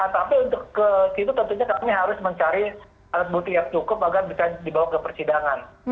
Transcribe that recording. tapi untuk ke situ tentunya kami harus mencari alat bukti yang cukup agar bisa dibawa ke persidangan